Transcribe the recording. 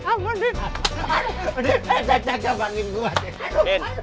aduh udin jack maafin gua jack